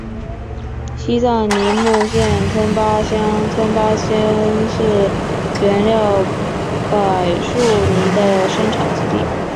西藏尼木县吞巴乡吞巴村是原料柏树泥的生产基地。